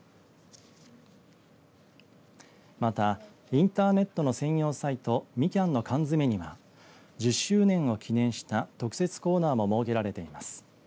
またインターネットの専用サイトみきゃんのかんづめには１０周年を記念した特設コーナーも設けられています。